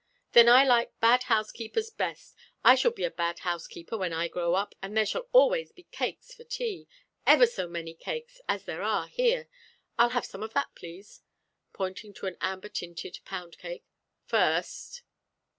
"Then I like bad housekeepers best. I shall be a bad housekeeper when I grow up, and there shall always be cakes for tea ever so many cakes, as there are here. I'll have some of that, please," pointing to an amber tinted pound cake, "first."